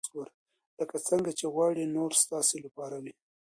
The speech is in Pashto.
لکه څنګه چې غواړئ نور ستاسې لپاره وي.